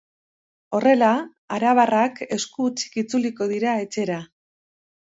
Horrela, arabarrak esku hutsik itzuliko dira etxera.